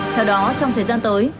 theo đó trong thời gian tới